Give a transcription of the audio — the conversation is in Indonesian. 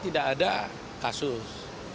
tidak ada kasus